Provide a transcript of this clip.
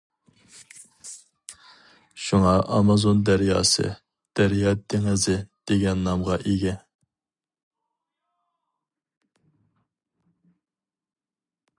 شۇڭا ئامازون دەرياسى «دەريا دېڭىزى» دېگەن نامغا ئىگە.